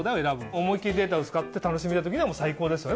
思い切りデータを使って楽しみたい時には最高ですよね